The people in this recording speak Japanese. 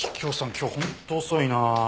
今日ホント遅いな。